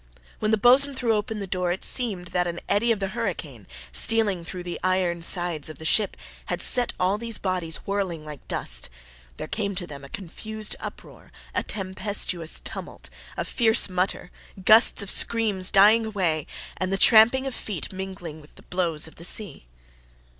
When the boatswain threw open the door it seemed that an eddy of the hurricane, stealing through the iron sides of the ship, had set all these bodies whirling like dust: there came to them a confused uproar, a tempestuous tumult, a fierce mutter, gusts of screams dying away, and the tramping of feet mingling with the blows of the sea.